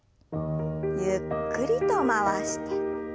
ゆっくりと回して。